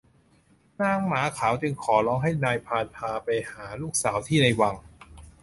นางหมาขาวจึงขอร้องให้นายพรานพาไปหาลูกสาวที่ในวัง